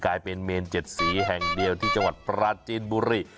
กลายเป็นเมน๗สีแห่งเดียวที่จังหวัดปราจีนบุรี